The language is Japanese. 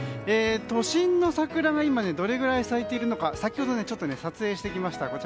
都心の桜がどれぐらい咲いているのか先ほど撮影してきました。